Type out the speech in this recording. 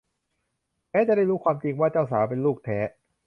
แม้จะได้รู้ความจริงว่าเจ้าสาวเป็นลูกแท้